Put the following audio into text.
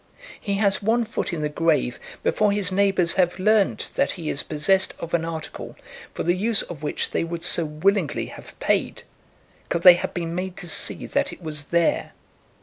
He has one foot in the grave before his neighbours have learned that he is possessed of an article for the use of which they would so willingly have paid, could they have been made to see that it was there.